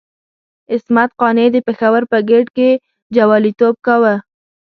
عصمت قانع د پېښور په ګېټ کې جواليتوب کاوه.